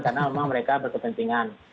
karena memang mereka berkepentingan